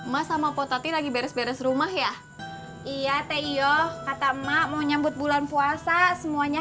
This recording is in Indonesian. ma sama potati lagi beres beres rumah ya iya teh yo kata ma mau nyambut bulan puasa semuanya